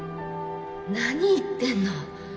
何言ってんの。